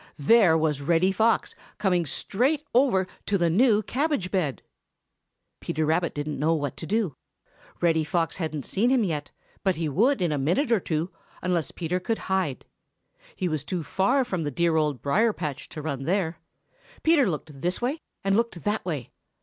There was Reddy Fox coming straight over to the new cabbage bed! Peter Rabbit didn't know what to do. Reddy Fox hadn't seen him yet, but he would in a minute or two, unless Peter could hide. He was too far from the dear Old Briar patch to run there. Peter looked this way and looked that way.